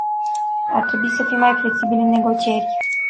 Ar trebui să fim mai flexibili în negocieri.